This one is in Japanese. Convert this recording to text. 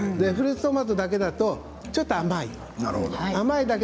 フルーツトマトだけだとちょっと甘い。